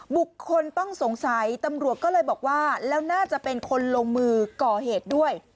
บุคคลต้องสงสัยตำรวจก็เลยบอกว่าแล้วน่าจะเป็นคนลงมือก่อเหตุด้วย